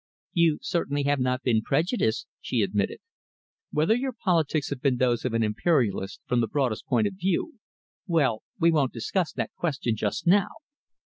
"You certainly have not been prejudiced," she admitted. "Whether your politics have been those of an Imperialist from the broadest point of view well, we won't discuss that question just now.